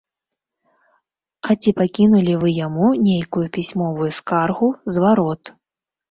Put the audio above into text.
А ці пакінулі вы яму нейкую пісьмовую скаргу, зварот?